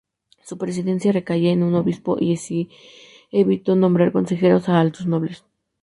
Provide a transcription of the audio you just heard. Su presidencia recaía en un obispo, y se evitó nombrar consejeros a altos nobles.